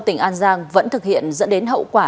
tỉnh an giang vẫn thực hiện dẫn đến hậu quả